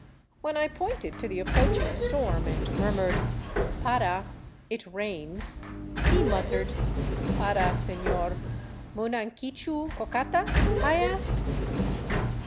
When I pointed to the approaching storm and mur mured, " Para — it rains," he muttered, " Para, senor." " Munan quichu cocata?" I asked.